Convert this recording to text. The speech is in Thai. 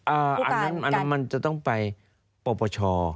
อันนั้นมันจะต้องไปปช